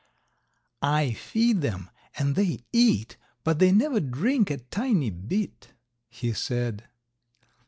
"I feed them and they eat, but they never drink a tiny bit," he said.